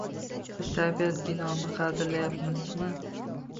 Biz tabiat in’omini qadrlayapmizmi?!